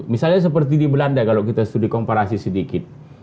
misalnya seperti di belanda kalau kita studi komparasi sedikit